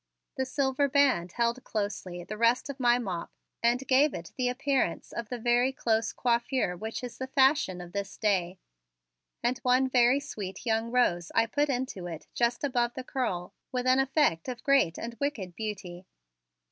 The silver band held closely the rest of my mop and gave it the appearance of the very close coiffure which is the fashion of this day, and one very sweet young rose I put into it just above the curl with an effect of great and wicked beauty.